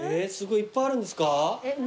いっぱいあるんですか？